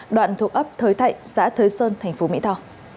đoạn thuộc ấp thới thạnh xã thới sơn tp mỹ tho